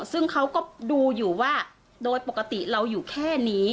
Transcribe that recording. ซึ่งเขาก็ดูอยู่ว่าโดยปกติเราอยู่แค่นี้